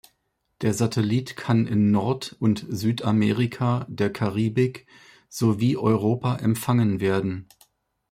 Der Satellit kann in Nord- und Südamerika, der Karibik sowie Europa empfangen werden.